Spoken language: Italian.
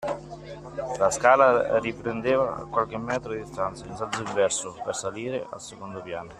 La scala riprendeva a qualche metro di distanza, in senso inverso, per salire al secondo piano.